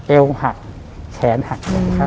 เอวหักแขนหัก